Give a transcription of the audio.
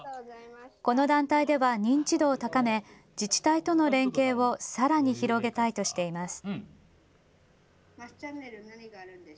この団体では認知度を高め、自治体との連携をさらに広げたいとしています。